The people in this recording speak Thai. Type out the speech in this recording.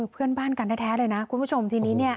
เพื่อนบ้านกันแท้เลยนะคุณผู้ชมทีนี้เนี่ย